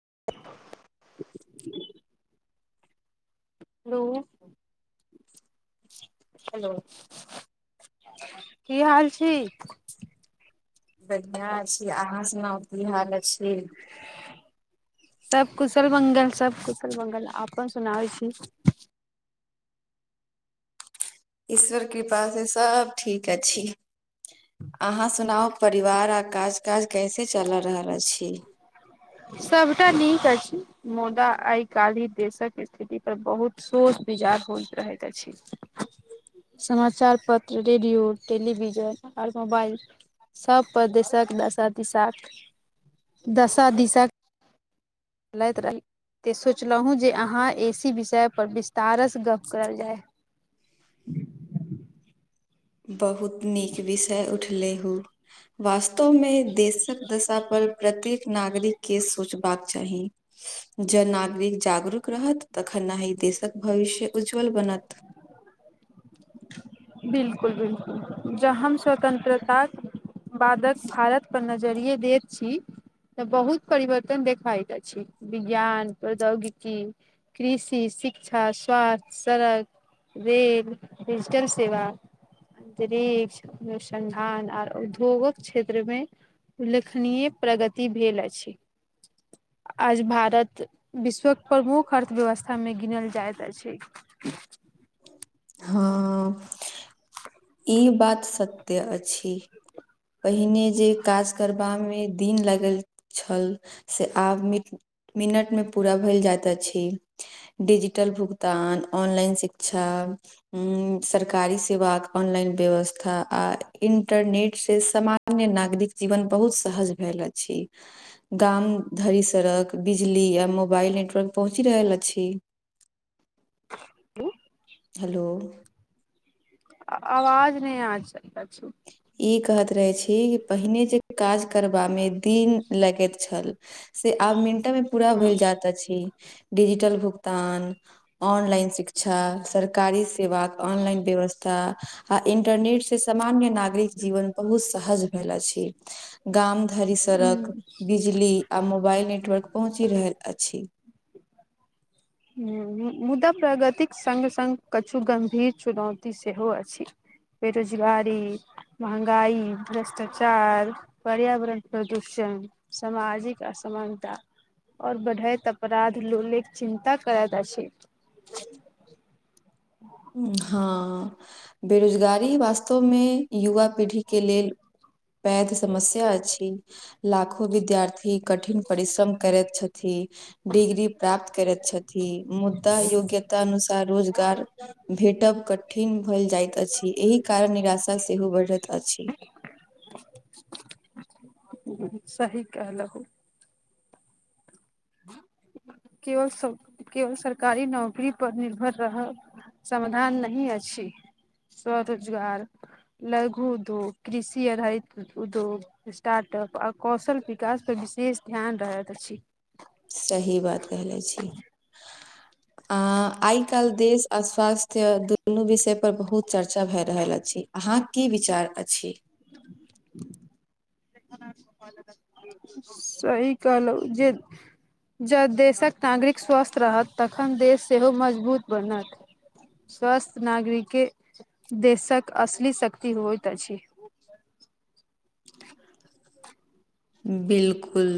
[inaudible] hello hello की हाल छी बढ़िआ छी अहाँ सुनाउ की हाल अछि सब कुशल मंगल सब कुशल मंगल अपन सुनाबै छी ईश्वर कृपा से सब ठीक अछि अहाँ सुनाउ परिवार आ काज काज कैसे चल रहल अछि सबटा नीक अछि मुदा आइ काल्हि देशक स्थिति पर बहुत सोच विचार होइत रहैत अछि [inaudible] समाचार पत्र रेडियो टेलिविजन आर मोबाइल सभ प्रदेशक दशा दिशाक दशा दिशक लैत रही त सोचलहुँ जे अहाँ एसी विषयपर विस्तारसँ गप करल जाय बहुत नीक विषय उठले हँ वास्तवमे देशक दशा पर प्रत्येक नागरिक के सोचबाक चाही जे नागरिक जागरूक रहत तखन नाहि देशक भविष्य उज्ज्वल बनत बिलकुल बिलकुल जह हम स्वतंत्रतााक बादक भारत नजरिए देत छी तऽ बहुत परवर्तन देखाइत अछि विज्ञान प्रौद्योगिकी कृषि शिक्षा स्वास्थ्य सड़क रेल डिजिटल सेवा अन्तरिक्ष अनुसन्धान आर उधोगक क्षेत्रमे उल्लेखनीय प्रगति भेल अछि आज भारत विश्वक प्रमुख अर्थव्यवस्था मे गिनल जाइत अछि हँ ई बात सत्य अछि पहिने जे काज करबा मे दिन लागल छल से आब मित मिनट मे पूरा भेल जाइत अछि डजिटल भुगतान ऑनलाइन शिक्षा उं सरकारी सेवाक ऑनलाइन व्यवस्था आ इन्टरनेटसँ सामान्य नागरिक जीवन बहुत सहज भेल ऐ छी गाम धरी सड़क बिजली आ मोबाइल नेटवर्क पहुँचि रहल अछि हेलो आवाज नइ [unintelligible] ई कहत रहे छी पहिने जे काज करबा मे दिन लगैत छल से आब मंट मे पूरा भ हँ जात अछि डिजिटल भुगतान ऑनलाइन शिक्षा सरकारी सेवा ऑनलाइन व्यवस्था आ इंटरनेट से सब गाम में नागरिक जीवन बहुत सहज भेल अछि गाम धरी सड़क हूँ बिजली आ मोबाइल नेटवर्क पहुँच रहल अछि हू मुदा प्रगतिक संग संग किछु गम्भीर चुनौती सेहो अछि बेरोजीबारी महगाइ भ्रष्टाचार पर्यावरण प्रदूषण सामाजिक असमानता और बढ़ैत अपराध लोले चिन्तक करैत छै [inaudible] हँ बेरोजगारी वास्तवमें युवा पीढ़ीके लेल पैद समस्या अछि लाखो विद्यार्थी कठिन परिश्रम करैत छथि डिग्री प्राप्त करैत छथिन मुदा योग्यता अनुसार रोजगार भेटब कठिन भेल जाइत अछि एहि कारण निराशा सेहो बढ़ैत अछि सह कहलउ केवल सब केवल सरकारी नौकरी पर निर्भर रह समाधान नहि अछि स्वरोजगार लघु उद्योग कृषि आधारित उद्योग स्टार्टअप आ कौशल विकासपर विशेष ध्यान रहैत अछि सही बात कहहिलै छी आं आइ काल्हि देश आ स्वास्थ्य दुनू विषय पर बहुत चर्चा भए रहल अछि अहाँ की विचार अछि सही कहलौं जे जँ देशक नागरिक स्वस्थ रहत तखन देश सेहो मजबूत बनत स्वस्थ नागरिक के देशक असली शक्ति होइत अछि [inaudible] बिलकुल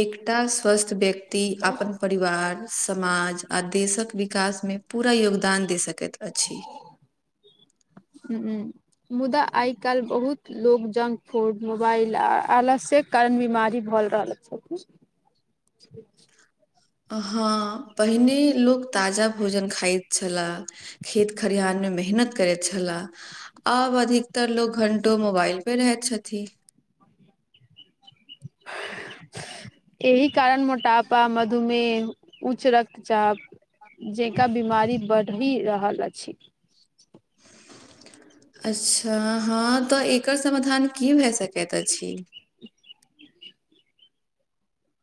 एकटा स्वस्थ व्यक्ति अपन परिवार समाज आ देशक विकास में पूरा योगदान दे सकैत अछि हं मुदा आई काल बहुत लोग जंक फूड मोबाइल आ आलस्य के कारण बीमारी भऽ रहल सबकिछु ठ हँ पहिने लोक ताजा भोजन खाइत छला खेत खरिहहारमे मेहनत करैत छह आब अधिकतर लोग घंटो मोबाइल पे रहैत छथिन [inaudible] एहि कारण मोटापा मधुमेह उच्च रक्तचाप जनकरा बीमारी बढ़ि रहल अछि अच्छा हँ तऽ एकर समाधान की भए सकैत अछि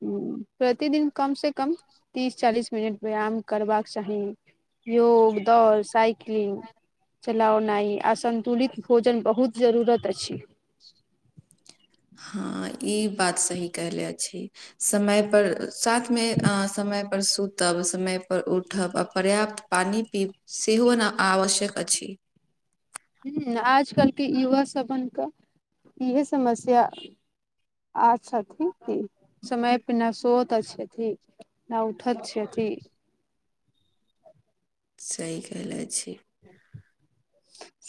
हूं प्रतिदिन कमसँ कम तीस चालीस मिनट व्यायाम करबाक चाही योग दौड़ साइकलिंग चलाउ नाइ आ सन्तुलित भोजन बहुत जरूरत अछि हँ ई बात सही कहले छी समय पर साथ में समय पर सुतब समय पर उठब आ पर्याप्त पानी सेहो ने आवश्यक अछि हूं आजकल के युवा सभनका इहे समस्या अच्छा ठीक समय प न सेहोो तऽ छै ठीक ना उठत छथि सह कहले छी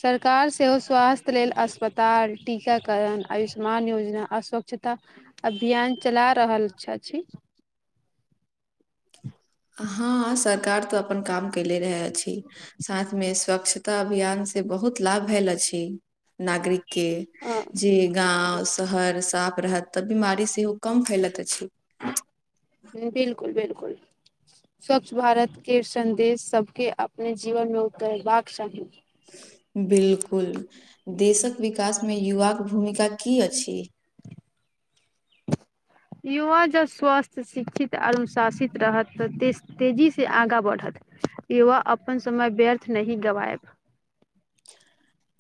सरकार सेहो स्वास्थ्य लेल अस्पताल टीकाकरण आयुष्मान योजना अस्वच्छता अभियान चला रहल छछि हँ सरकार तऽ अपन काम कैले रहै अछि साथ मे स्वच्छता अभियान से बहुत लाभ भेल अछि नागरिक के हँ जे गाँव शहर साफ रहत तऽ बिमारी सेहो कम फैलैत अछि बिलकुल बिलकुल स्वच्छ भारत के संदेश सबके अपने जीवन मे उतैरबाक चाही बिलकुल देशक विकास मे युवा के भूमिका की अछि युवा जब स्वस्थ शिक्षित अनुशासित रहत तऽतेजीसँ आगाँ बढ़त युवा अपन समय व्यर्थ नही गवाएब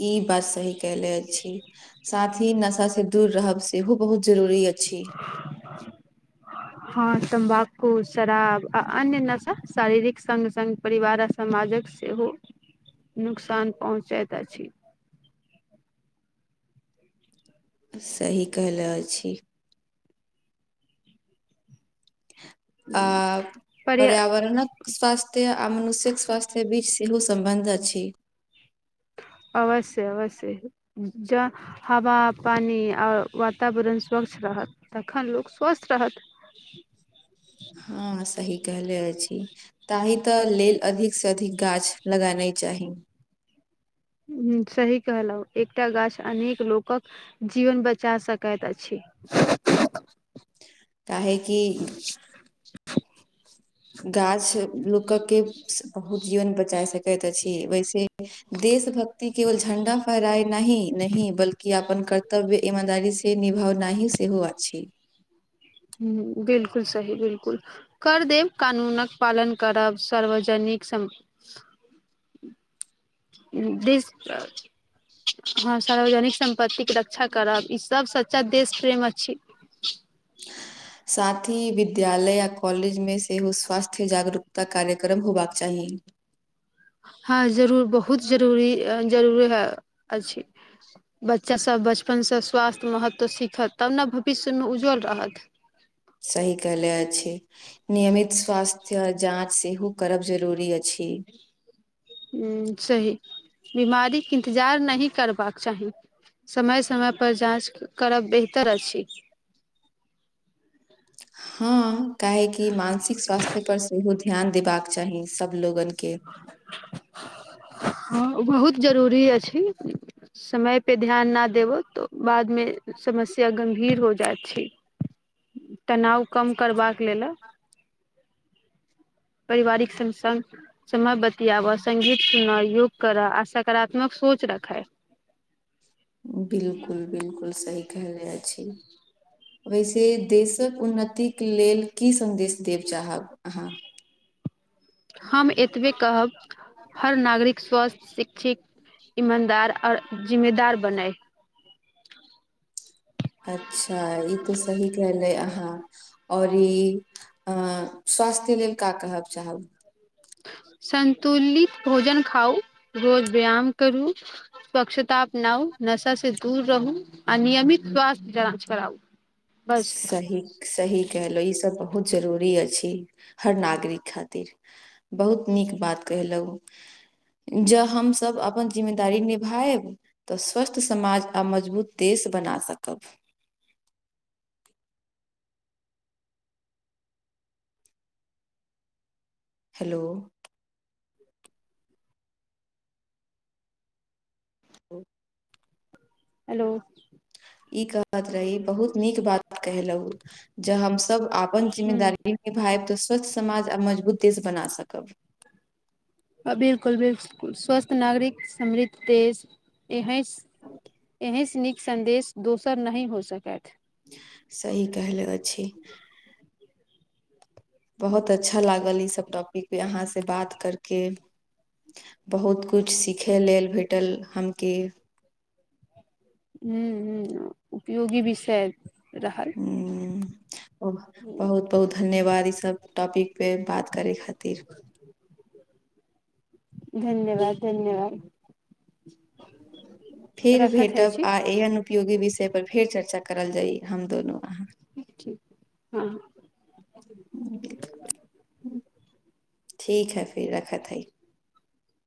ई बात सही कहले अछी साथ ही नशाँ से दूर रहब सेहो बहुत जरूरी अछि [inaudible] हँ तम्बाकू शराब आ अन्य नशा शारीरिक संग संग परिवार समाजक सेहो नुकसान पहुँचैत अछि सही कहले अछी आ पर्य पर्यावरण स्वास्थ्ये आ मनुष्यके स्वास्थ्य बीच सेहो सम्बन्ध अछि अवश्य अवश्य जा हवा पानि आओ वातावरण स्वच्छ रहत तखन लोक स्वस्थ रहत हँ सही कहले अ छी ताहि तऽ लेल अधिक से अधिक गाछ लगानै चाही ह सही कहलौ एकटा गाछ अनेक लोकक जीवन बचा सकाय अछि ताहेकि [inaudible] [inaudible] गाछ लोक के बहुत जीवन बचा सकैत अछि वैसे देश भक्ति केवल झण्डा पराइ नही हिन बल्कि अपन कर्तव्य ईमानदारी से निभाव न सेहो अछि ह बिल्कुल सही बिलकुल कर देब कानूनक पालन करब सार्वजनिक सम हँ देसक सार्वजनिक सम पतिक के रक्षा करब ई सब सच्चा देश प्रेम अछी [unintelligible] [inaudible] साथ ही विद्यालय आ कॉलेज मे सेहो स्वास्थ्य जागरूकता कार्यक्रम होबाक चाही हँ जरूर बहुत जरूरी जरूरी ह अछि बच्चासभ बचपनसँ स्वास्थ्य महत्व सीखत तब न भविष्यमेज्ज्वल रहत सही कयले अछि नियमित स्वास्थ्य जाँच सेहो करब जरूरी अछि ह सही बिमारीके इन्तजार नहि करबाक चाही समय समय पर जाँच करब बेहतर अछि हँ काहेकि मानसिक स्वास्थ्य पर सेहो ध्यान देबाक चाही सभ लोगनके [inaudible] [inaudible] हँ ओ बहुत जरूरी अछि समयपे ध्यान न देबौ तऽ बादमे समस्या गम्भीर हो जाइत छै तनाव कम करबाक लेल [inaudible] पारिवारिक सम संग समय बतियाबय सङ्गीत सुनह योग करय आ सकारात्मक सोच रखै बिलकुल बिलकुल सही कहले छी वैसे देशक उन्नतिक के लेल की सन्देश देब चाहब अहाँ हम एतबे कहब हर नागरिक स्वस्थ शिक्षित ईमानदार आओर जिम्मेदार बनय अच्छा ई तऽ सही कहले अहाँ आओर ई अ स्वास्थ्य लेल का कहब चाहब संतुलित भोजन खाउ रोज व्यायाम करू स्वच्छता अपनाउ नशा से दूर रहू नियमित स्वास्थ्य जाँच कराउ बस सही सही कहलहुँ ईसभ बहुत जरूरी अछि हर नागरिक खातिर बहुत नीक बात कहेलहु ज हमस अपन जिम्मेदारी निभायब तऽ स्वस्थ समाज आ मजबूत देश बना सकब हेलो ह हेलो ई कहत रही बहुत नीक बात कहेलहु ज हम सब अपन ह जिम्मेदारी निभायब तऽ स्वच्छ समाज आ मजबूत देश बना सकब बिल्कुल बिल्कुल स्वस्थ नागरिक समृद्ध देश एहिस ऐहिस नीक संदेश दोसर नहि हो सकैत सही कहलो अछि बहुत अच्छा लागल ई सब टॉपिक पे अहाँ से बात करके बहुत किछ सिखय लेल भेटल हमके हूं हूं उपयोगी विषय रहत हूं बहुत बहुत धन्यवाद ई सब टॉपिक पे बात करय के खातिर धन्यवाद धन्यवाद फेर रखैत होइ भेटब छी आ एहन उपयोगी विषय पर फेर चर्चा करल जाइ हम दोनू अहाँ ठीक हँ ठीक है फिर रखत हइ